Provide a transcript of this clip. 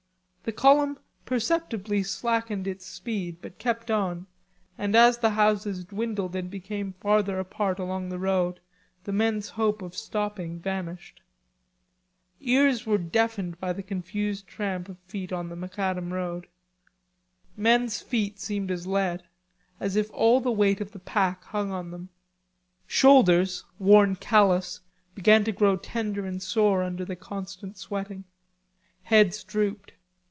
The column perceptibly slackened its speed, but kept on, and as the houses dwindled and became farther apart along the road the men's hope of stopping vanished. Ears were deafened by the confused tramp of feet on the macadam road. Men's feet seemed as lead, as if all the weight of the pack hung on them. Shoulders, worn callous, began to grow tender and sore under the constant sweating. Heads drooped.